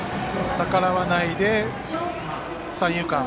逆らわないで三遊間。